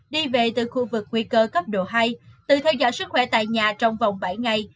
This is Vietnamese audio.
đi về từ khu vực nguy cơ cấp độ hai tự theo dõi sức khỏe tại nhà trong vòng bảy ngày